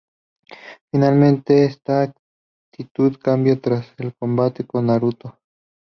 Finalmente esta actitud cambia tras el combate con Naruto.